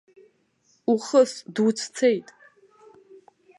Ухыс, дуцәцеит!